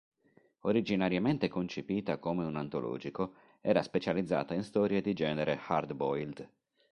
Originariamente concepita come un antologico, era specializzata in storie di genere hard boiled.